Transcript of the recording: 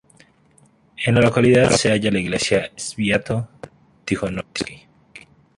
En la localidad se halla la iglesia "Sviato-Tijonovski".